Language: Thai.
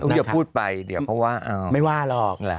อย่าพูดไปเดี๋ยวเขาว่าไม่ว่าหรอก